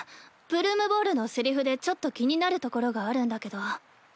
「ブルームボール」のセリフでちょっと気になるところがあるんだけど。